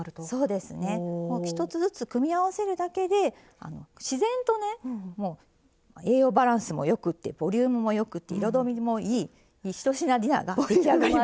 そうですね１つずつ組み合わせるだけで自然とね栄養バランスもよくてボリュームもよくて彩りもいい１品ディナーが出来上がります。